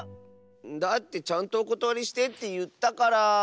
だってちゃんとおことわりしてっていったから。